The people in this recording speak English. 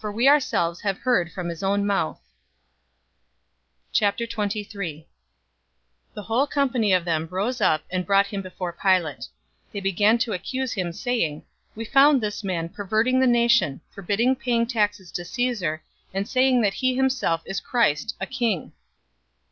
For we ourselves have heard from his own mouth!" 023:001 The whole company of them rose up and brought him before Pilate. 023:002 They began to accuse him, saying, "We found this man perverting the nation, forbidding paying taxes to Caesar, and saying that he himself is Christ, a king."